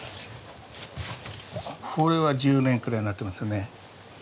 これは１０年くらいになってますよね。